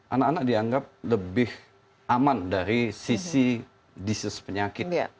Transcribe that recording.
anak anak dianggap lebih aman dari sisi disease penyakit